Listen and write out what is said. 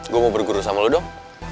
gue mau berguru sama lo dong